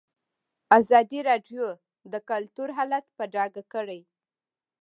ازادي راډیو د کلتور حالت په ډاګه کړی.